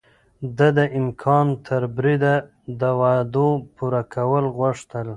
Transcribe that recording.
ده د امکان تر بريده د وعدو پوره کول غوښتل.